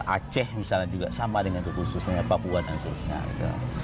aceh misalnya juga sama dengan kekhususannya papua dan sebagainya